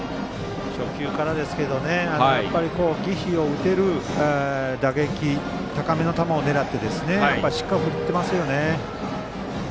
初球からですけど犠飛を打てる打撃高めの球を狙ってしっかり振っていますよね。